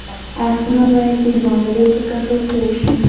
اړخونه باید د معاملې په ګټو پوه شي